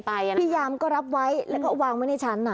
พยายามก็รับไว้แล้วก็วางไว้ในชั้น